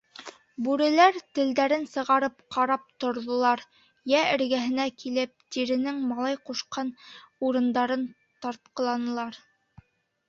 Бүреләр телдәрен сығарып ҡарап торҙолар, йә эргәһенә килеп, тиренең малай ҡушҡан урындарын тартҡыланылар.